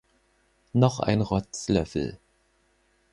Noch ein Rotzlöffel.